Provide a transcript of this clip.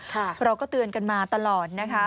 เราก็เตือนกันมาตลอดนะคะ